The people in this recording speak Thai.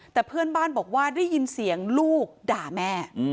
แต่เพื่อนบ้านบอกว่าได้ยินเสียงลูกด่าแม่